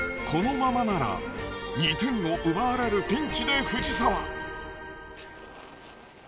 このままなら２点を奪われるピンチで藤澤。